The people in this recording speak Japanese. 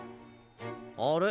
あれ？